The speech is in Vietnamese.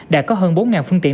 đã có hơn bốn phương tiện